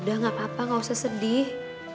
udah gak apa apa nggak usah sedih